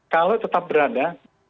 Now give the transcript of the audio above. kalau tetap berada